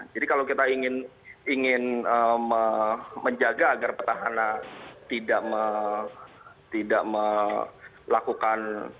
jadi kalau kita ingin menjaga agar petahana tidak melakukan